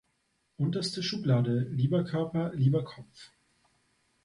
Unterste Schublade, lieber Körper, lieber Kopf!